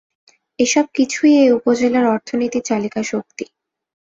এসব কিছুই এ উপজেলার অর্থনীতির চালিকা শক্তি।